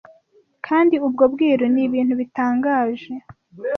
kandi ubwo bwiru ni ibintu bitangaje